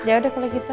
ya udah boleh gitu